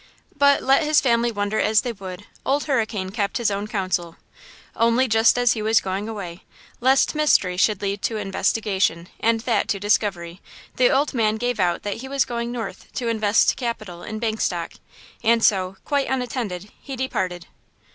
But, let his family wonder as they would, Old Hurricane kept his own counsel–only just as he was going away, lest mystery should lead to investigation, and that to discovery, the old man gave out that he was going north to invest capital in bank stock, and so, quite unattended, he departed.